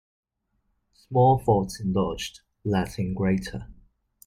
Small faults indulged let in greater.